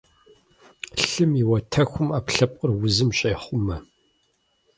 Лъым и уатэхум Ӏэпкълъэпкъыр узым щехъумэ.